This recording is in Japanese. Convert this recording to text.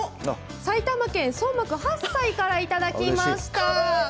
埼玉県８歳からいただきました。